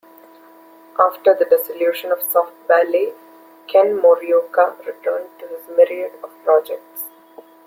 After the dissolution of Soft Ballet, Ken Morioka returned to his myriad of projects.